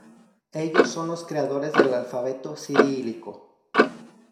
Ellos son los creadores del alfabeto cirílico.